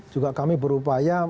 juga kami berupaya